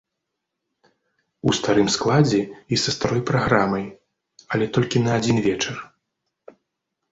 У старым складзе і са старой праграмай, але толькі на адзін вечар.